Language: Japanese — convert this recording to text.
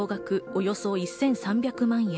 およそ１３００万円。